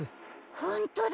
ほんとだ。